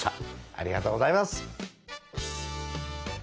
ありがとうございます。